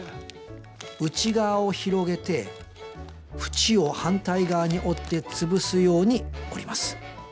内側を広げて縁を反対側に折って潰すように折ります。